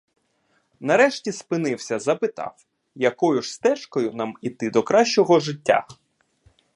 Нарешті спинився, запитав: якою ж стежкою нам іти до кращого життя?